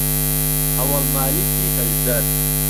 ههوەڵ مالیکی ههژدەر